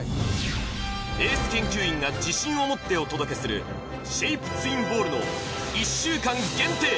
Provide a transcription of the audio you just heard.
エース研究員が自信を持ってお届けするシェイプツインボールの１週間限定